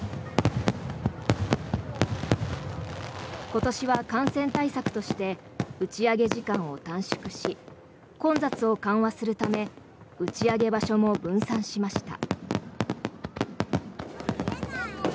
今年は感染対策として打ち上げ時間を短縮し混雑を緩和するため打ち上げ場所も分散しました。